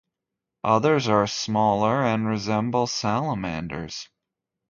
Others are smaller and resemble salamanders.